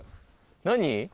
何？